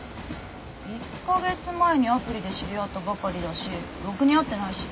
１カ月前にアプリで知り合ったばかりだしろくに会ってないし。